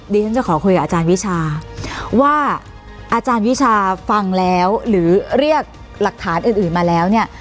ดิฉันจะขอคุยกับอาจารย์วิชาว่าอาจารย์วิชาฟังแล้วหรือเรียกหลักฐานอื่นมาแล้วเนี่ย